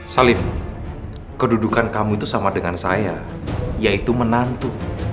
salib kedudukan kamu itu sama dengan saya yaitu menantu